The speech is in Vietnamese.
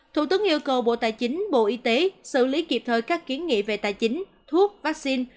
thủ tướng yêu cầu bộ tài chính bộ y tế xử lý kịp thời các kiến nghị về tài chính thuốc vaccine